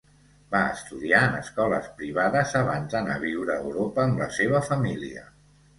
Va estudiar en escoles privades abans d'anar a viure a Europa amb la seva família.